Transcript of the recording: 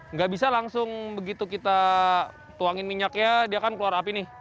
nggak bisa langsung begitu kita tuangin minyaknya dia kan keluar api nih